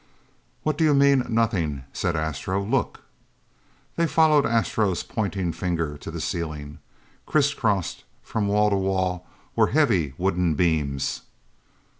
"What do you mean 'nothing'?" said Astro. "Look!" They followed Astro's pointing finger to the ceiling. Crisscrossed, from wall to wall, were heavy wooden beams.